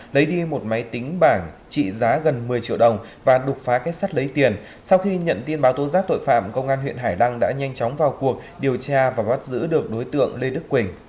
lấy đi một máy tính bảng trị giá gần một mươi triệu đồng và đục phá kết sắt lấy tiền sau khi nhận tin báo tố giác tội phạm công an huyện hải đăng đã nhanh chóng vào cuộc điều tra và bắt giữ được đối tượng lê đức quỳnh